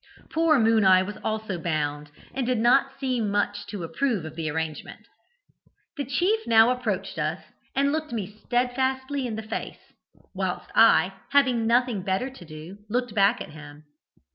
Poor 'Moon eye' was also bound, and did not seem much to approve of the arrangement. "The chief now approached us, and looked me steadfastly in the face, whilst I, having nothing better to do, looked back at him.